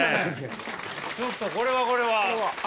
ちょっとこれはこれは。